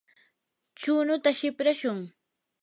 chunuta siprashun.